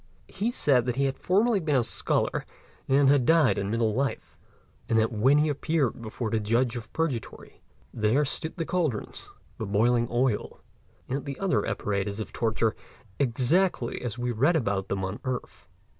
He said he had formerly been a scholar, and had died in middle life; and that when he appeared before the Judge of Purgatory, there stood the cauldrons, the boiling oil, and other apparatus of torture, exactly as we read about them on earth.